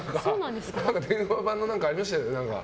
電話番の何かありましたよね。